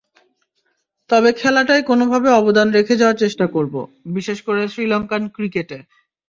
তবে খেলাটায় কোনোভাবে অবদান রেখে যাওয়ার চেষ্টা করব, বিশেষ করে শ্রীলঙ্কান ক্রিকেটে।